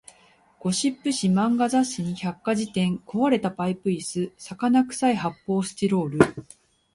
ゴシップ誌、漫画雑誌に百科事典、壊れたパイプ椅子、魚臭い発砲スチロール